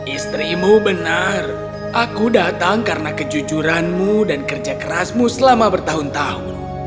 istrimu benar aku datang karena kejujuranmu dan kerja kerasmu selama bertahun tahun